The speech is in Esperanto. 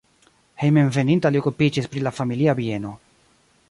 Hejmenveninta li okupiĝis pri la familia bieno.